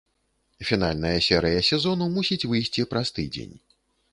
Фінальная серыя сезону мусіць выйсці праз тыдзень.